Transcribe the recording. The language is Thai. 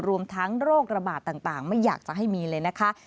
รวมทั้งโรคระบาดต่างไม่อยากจะให้มีเลยนะคะ